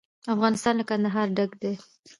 افغانستان له کندهار ډک دی.